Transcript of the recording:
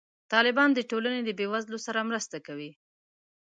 طالبان د ټولنې د بې وزلو سره مرسته کوي.